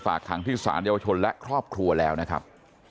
ฝากทางพิษานยาวชนและครอบครัวแล้วนะครับ